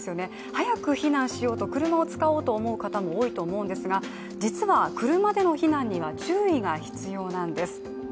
早く避難しようと車を使おうという方も多いと思うんですが、実は車での避難には注意が必要なんです。